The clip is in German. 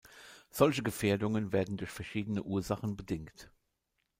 Solche Gefährdungen werden durch verschiedene Ursachen bedingt.